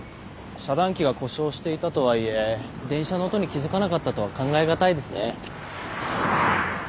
遮断機が故障していたとはいえ電車の音に気付かなかったとは考え難いですね。